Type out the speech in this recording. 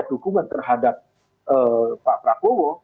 ada dinamika dukungan terhadap pak prabowo